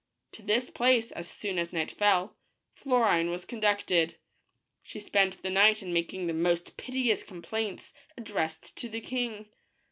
To this place, as soon as night fell, Florine was conducted. She spent the night in making the most piteous complaints, ad dressed to the king.